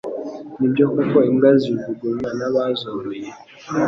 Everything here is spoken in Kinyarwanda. nibyo koko imbwa zijugunywa nabazoroye